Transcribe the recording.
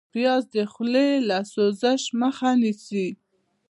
پیاز د خولې له سوزش مخه نیسي